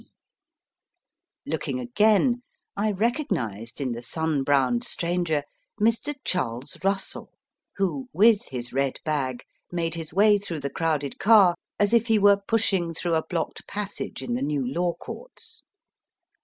C. Looking again, I recognized in the sun browned stranger Mr. Charles Kussell, who, with his red bag, made his way through the crowded car as if he were pushing through a blocked passage in the new Law Courts.